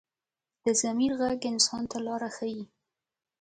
د ضمیر غږ انسان ته لاره ښيي